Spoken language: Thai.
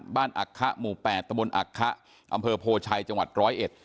บ้านอักษะหมู่๘ตมอักษะอำเภอโพชัยจังหวัด๑๐๑